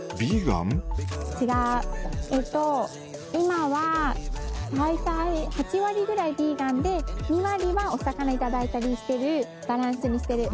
えっと今は大体８割ぐらいヴィーガンで２割はお魚いただいたりしてるバランスにしてる。